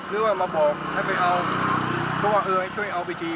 หรือว่ามาบอกให้ไปเอาเพราะว่าเอ้ยช่วยเอาไปที